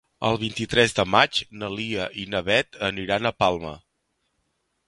El vint-i-tres de maig na Lia i na Beth aniran a Palma.